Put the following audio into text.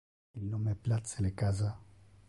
Il non me place le casa.